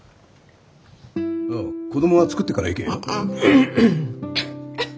ああ子供は作ってから行けよ。